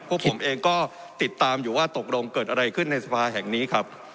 พวกผมเองก็ติดตามอยู่ว่าตกลงเกิดอะไรขึ้นในสภาแห่งนี้ครับ